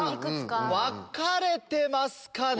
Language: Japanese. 分かれてますかね？